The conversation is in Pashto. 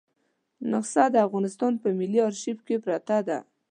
نسخه د افغانستان په ملي آرشیف کې پرته ده.